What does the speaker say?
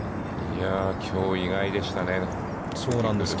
きょう、意外でしたね。